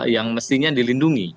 yang mestinya dilindungi